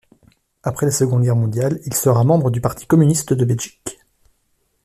Après la Seconde Guerre mondiale, il sera membre du Parti communiste de Belgique.